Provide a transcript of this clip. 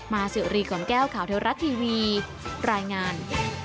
สิวรีกล่อมแก้วข่าวเทวรัฐทีวีรายงาน